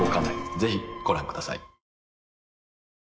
ぜひご覧下さい。